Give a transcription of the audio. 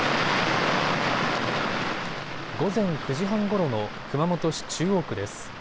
午前９時半ごろの熊本市中央区です。